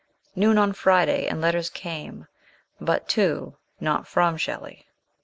Noon of Friday and letters came, but to, not from Shelley.